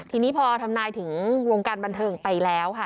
ทีนี้พอทำนายถึงวงการบันเทิงไปแล้วค่ะ